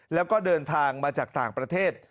แล้วก็เดินทางมาจากต่างประเทศ